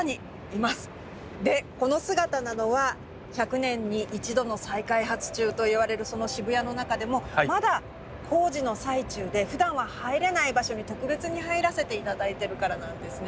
でこの姿なのは１００年に一度の再開発中といわれるその渋谷の中でもまだ工事の最中でふだんは入れない場所に特別に入らせて頂いてるからなんですね。